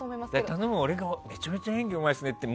頼むよ、俺がめちゃめちゃ演技うまいって